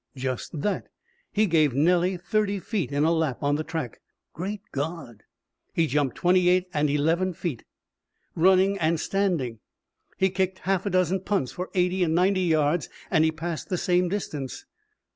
"Just that. He gave Nellie thirty feet in a lap on the track." "Great God!" "He jumped twenty eight and eleven feet running and standing. He kicked half a dozen punts for eighty and ninety yards and he passed the same distance."